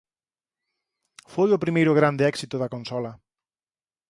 Foi o primeiro grande éxito da consola.